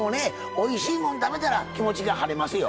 おいしいもん食べたら気持ちが晴れますよ。